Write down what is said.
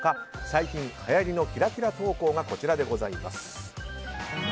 最近はやりのキラキラ投稿がこちらでございます。